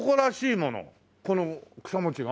この草餅が？